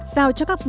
giao cho các bộ ngành